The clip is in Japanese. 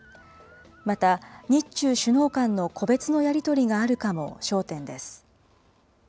また、日中首脳間の個別のやり取りがあるかも焦点です。